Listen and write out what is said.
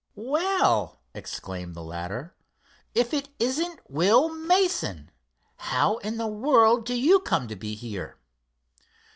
"Well," exclaimed the latter, "if it isn't Will Mason! How in the world do you come to be here?"